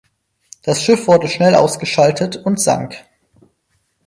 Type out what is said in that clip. Das Schiff wurde schnell ausgeschaltet und sank.